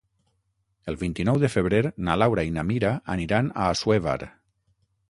El vint-i-nou de febrer na Laura i na Mira aniran a Assuévar.